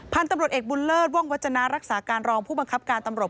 พันธุ์ตำรวจเอกบุญเลิศว่องวัฒนารักษาการรองผู้บังคับการตำรวจ